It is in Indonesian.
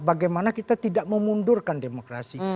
bagaimana kita tidak memundurkan demokrasi